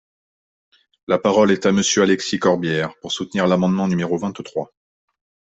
La parole est à Monsieur Alexis Corbière, pour soutenir l’amendement numéro vingt-trois.